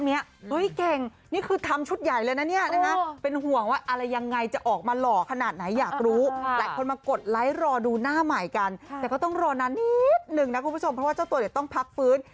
หนึ่งนะคุณผู้ชมเพราะว่าเจ้าตัวเด็ดต้องพักฟื้น